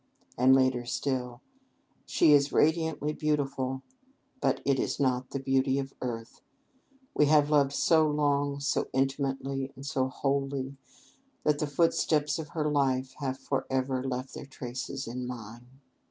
And, later still: "She is radiantly beautiful; but it is not the beauty of earth.... We have loved so long, so intimately, and so wholly, that the footsteps of her life have forever left their traces in mine.